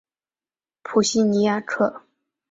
普西尼亚克。